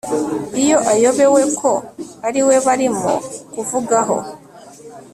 iyo ayobewe ko ari we barimo kuvugaho